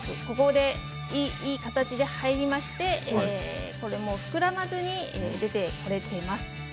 ここでいい形で入りましてこれも膨らまずに出てこれてます。